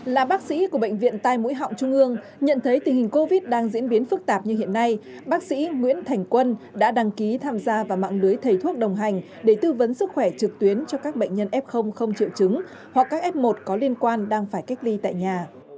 là bác sĩ của bệnh viện tai mũi họng trung ương nhận thấy tình hình covid đang diễn biến phức tạp như hiện nay bác sĩ nguyễn thành quân đã đăng ký tham gia vào mạng lưới thầy thuốc đồng hành để tư vấn sức khỏe trực tuyến cho các bệnh nhân f không triệu chứng hoặc các f một có liên quan đang phải cách ly tại nhà